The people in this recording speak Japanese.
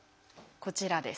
こちらです。